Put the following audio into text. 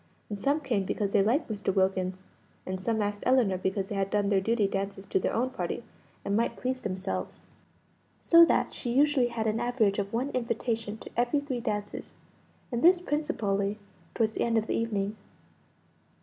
And some came because they liked Mr. Wilkins, and some asked Ellinor because they had done their duty dances to their own party, and might please themselves. So that she usually had an average of one invitation to every three dances; and this principally towards the end of the evening.